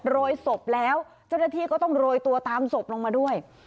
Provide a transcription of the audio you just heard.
โรยศพแล้วเจ้าหน้าที่ก็ต้องโรยตัวตามศพลงมาด้วย